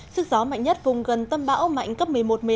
sức gió mạnh nhất vùng gần tâm bão mạnh cấp một mươi một một mươi hai